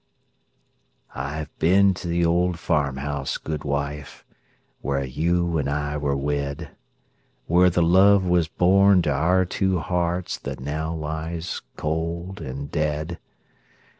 I've been to the old farm house, good wife, Where you and I were wed; Where the love was born to our two hearts That now lies cold and dead.